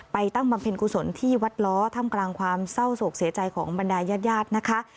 ตั้งบำเพ็ญกุศลที่วัดล้อถ้ำกลางความเศร้าโศกเสียใจของบรรดายญาติญาตินะคะ